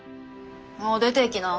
もう出ていきな。